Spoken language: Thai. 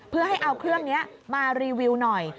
เพื่อให้เอาเครื่องนี้มารีวิวหน่อย